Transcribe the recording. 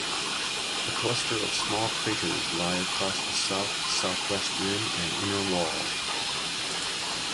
A cluster of small craters lie across the south-southwest rim and inner wall.